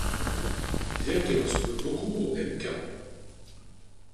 Bien qu'il ressemble beaucoup au Mk.